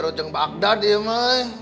ruceng bagdad ya ma